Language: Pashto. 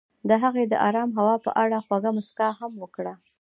هغې د آرام هوا په اړه خوږه موسکا هم وکړه.